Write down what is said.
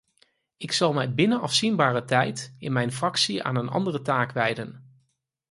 Ik zal mij binnen afzienbare tijd in mijn fractie aan een andere taak wijden.